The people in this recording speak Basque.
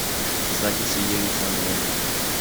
Ez dakit zilegi izango den.